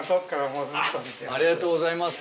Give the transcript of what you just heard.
ありがとうございます。